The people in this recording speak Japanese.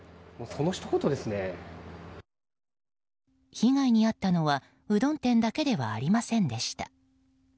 被害に遭ったのはうどん店だけではありませんでした。